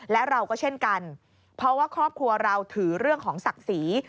และเราก็เช่นกันเพราะว่าครอบครัวเราถือเรื่องของศักดิ์ศรี